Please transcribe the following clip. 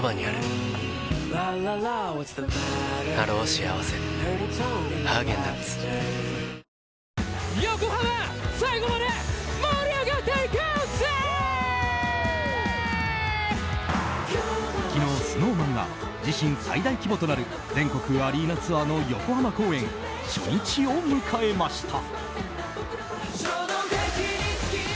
新「アタックＺＥＲＯ」昨日、ＳｎｏｗＭａｎが自身最大規模となる全国アリーナツアーの横浜公演初日を迎えました。